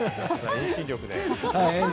遠心力で。